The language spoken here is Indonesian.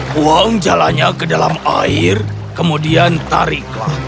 buang jalannya ke dalam air kemudian tariklah